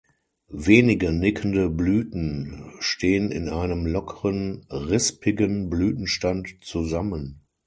Wenige nickende Blüten stehen in einem lockeren, rispigen Blütenstand zusammen.